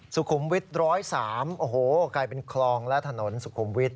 สุขุมวิทย์๑๐๓โอ้โหกลายเป็นคลองและถนนสุขุมวิทย